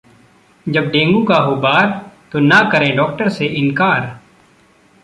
जब डेंगू का हो वार, तो न करें डॉक्टर से इनकार